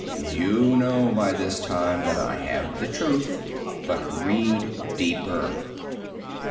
You know by this time that I have the truth but read deeper!